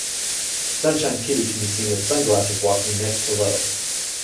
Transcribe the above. Sunshine Kitty can be seen with sunglasses walking next to Lo.